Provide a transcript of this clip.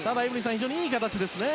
非常にいい形ですね。